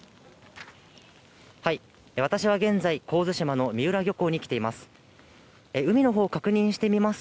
私は現在、神津島の三浦漁港に来ています。